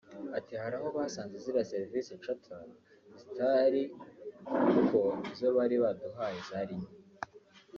Ati ˝Hari aho basanze ziriya Service charter zitari kuko izo bari baduhaye zari nke